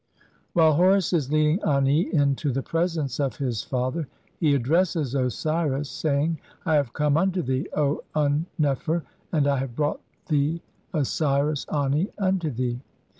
While Horus is leading Ani into the presence of his father he addresses Osiris, saying, "I have come "unto thee, O Un nefer, and I have brought the Osiris "Ani unto thee.